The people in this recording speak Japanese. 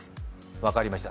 分かりました。